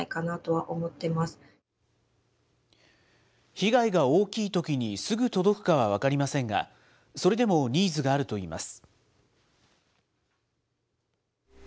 被害が大きいときに、すぐ届くかは分かりませんが、それでもニーズがあるといいます。